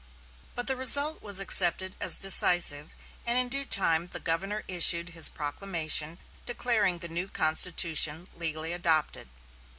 But the result was accepted as decisive, and in due time the governor issued his proclamation, declaring the new constitution legally adopted.